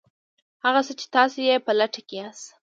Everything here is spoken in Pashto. هغه څه چې تاسې یې په لټه کې یاست